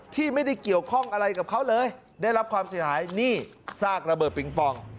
ที่ไม่ได้เกี่ยวข้องอะไรกับเขาเลยได้รับความเสียหายนี่ซากระเบิดปิงปอง